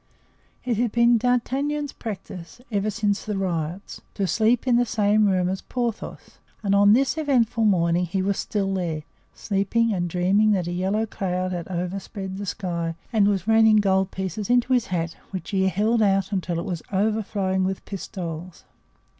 It had been D'Artagnan's practice, ever since the riots, to sleep in the same room as Porthos, and on this eventful morning he was still there, sleeping, and dreaming that a yellow cloud had overspread the sky and was raining gold pieces into his hat, which he held out till it was overflowing with pistoles.